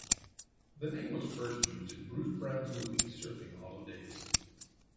The name was first used in Bruce Browns movie Surfing Hollow Days.